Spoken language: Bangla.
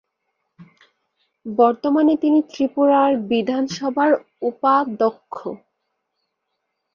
বর্তমানে তিনি ত্রিপুরা বিধানসভার উপাধ্যক্ষ।